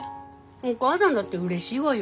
お母さんだってうれしいわよ。